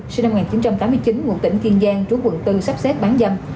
sinh năm một nghìn chín trăm tám mươi chín ngụ tỉnh kiên giang trú quận bốn sắp xếp bán dâm